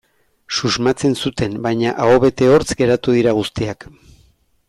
Susmatzen zuten, baina aho bete hortz geratu dira guztiak.